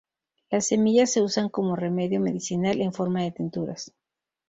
Las semillas se usan como remedio medicinal, en forma de tinturas.